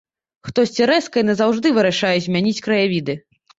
Хтосьці рэзка і назаўжды вырашае змяніць краявіды.